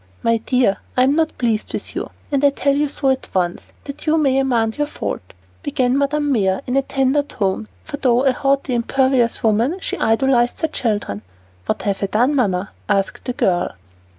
"My dear, I'm not pleased with you, and I tell you so at once, that you may amend your fault," began Madame Mère in a tender tone, for though a haughty, imperious woman, she idolized her children. "What have I done, Mamma?" asked the girl.